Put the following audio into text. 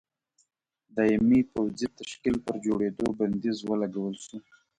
دایمي پوځي تشکیل پر جوړېدو بندیز ولګول شو.